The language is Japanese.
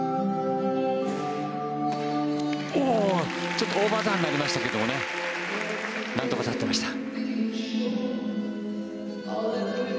ちょっとオーバーターンになりましたけどねなんとか立っていました。